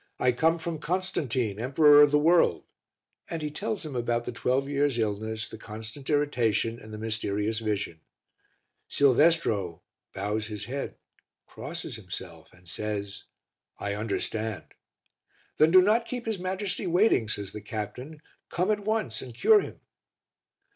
"I come from Constantine, Emperor of the World," and he tells him about the twelve years' illness, the constant irritation and the mysterious vision. Silvestro bows his head, crosses himself, and says "I understand." "Then do not keep his Majesty waiting," says the captain. "Come at once and cure him."